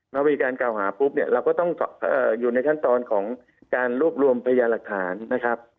เมื่อพี่การกล่าวหาเราก็ต้องอยู่ในขั้นตอนของการรวบรวมพยาหรัฐฐานนะครับ